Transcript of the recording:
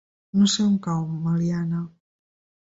No sé on cau Meliana.